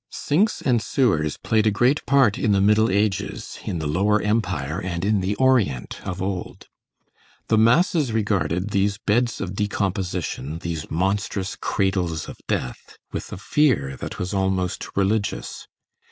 Sinks and sewers played a great part in the Middle Ages, in the Lower Empire and in the Orient of old. The masses regarded these beds of decomposition, these monstrous cradles of death, with a fear that was almost religious.